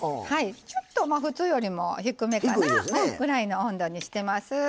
ちょっとまあ普通よりも低めかなぐらいの温度にしてます。